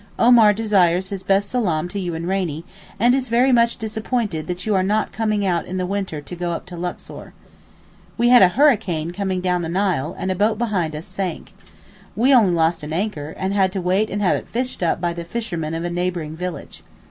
Omar desires his best salaam to you and to Rainie, and is very much disappointed that you are not coming out in the winter to go up to Luxor. We had a hurricane coming down the Nile, and a boat behind us sank. We only lost an anchor, and had to wait and have it fished up by the fishermen of a neighbouring village.